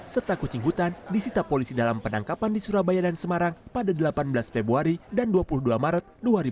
serta kucing hutan disita polisi dalam penangkapan di surabaya dan semarang pada delapan belas februari dan dua puluh dua maret dua ribu dua puluh